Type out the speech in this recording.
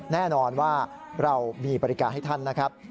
แน่นอนว่าเรามีบริการให้ท่านนะครับ